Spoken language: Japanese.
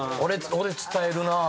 俺伝えるな。